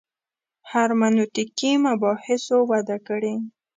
هرمنوتیکي مباحثو وده کړې.